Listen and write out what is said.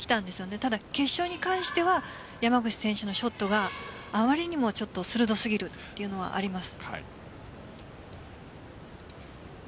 ただ、決勝に関しては山口選手のショットがあまりにも鋭すぎるというのはあります。